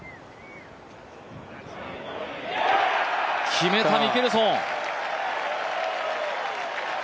決めたミケルソン。